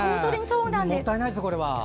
もったいないですよ、これは。